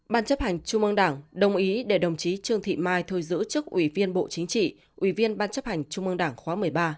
ban chấp hành trung ương đảng đồng ý để đồng chí trương thị mai thôi giữ chức ủy viên bộ chính trị ủy viên ban chấp hành trung ương đảng khóa một mươi ba